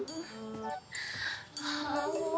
ああもう！